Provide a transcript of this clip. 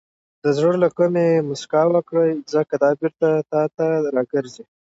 • د زړه له کومې موسکا وکړه، ځکه دا بېرته تا ته راګرځي.